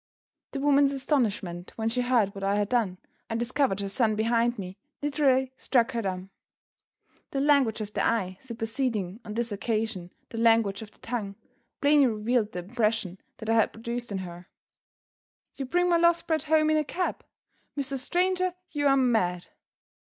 The woman's astonishment when she heard what I had done, and discovered her son behind me, literally struck her dumb. The language of the eye, superseding on this occasion the language of the tongue, plainly revealed the impression that I had produced on her: "You bring my lost brat home in a cab! Mr. Stranger, you are mad."